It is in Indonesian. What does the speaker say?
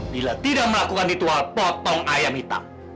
bila tidak melakukan ritual potong ayam hitam